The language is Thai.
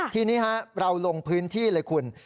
ทีนี้เราลงพื้นที่เลยคุณ